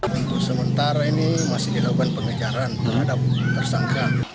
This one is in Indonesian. untuk sementara ini masih dilakukan pengejaran terhadap tersangka